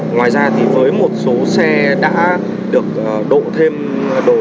ngoài ra thì với một số xe đã được độ thêm đồ